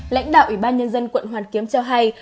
lãnh đạo ủy ban nhân dân quận hoàn kiếm cho hay